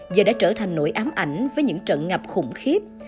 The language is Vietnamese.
giờ đã trở thành nỗi ám ảnh với những trận ngập khủng khiếp